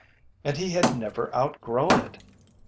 And he had never outgrown it.